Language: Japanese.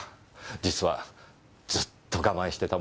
実はずっと我慢してたものですから。